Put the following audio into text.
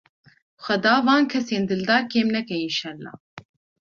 Xweda van kesên dildar kêm neke înşellah.